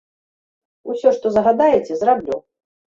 Усё, што загадаеце, зраблю.